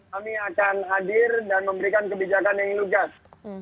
kami akan hadir dan memberikan kebijakan yang lugas